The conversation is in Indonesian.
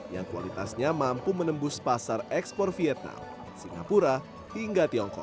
yang kualitasnya mampu menembus pasar ekspor vietnam singapura hingga tiongkok